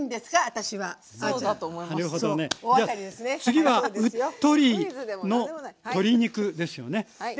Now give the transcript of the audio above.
次は「うっトリ」の鶏肉ですよね？